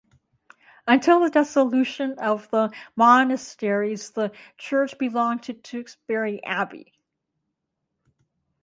Until the dissolution of the monasteries the church belonged to Tewkesbury Abbey.